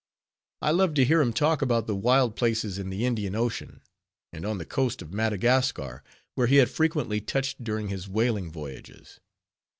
I loved to hear him talk about the wild places in the Indian Ocean, and on the coast of Madagascar, where he had frequently touched during his whaling voyages.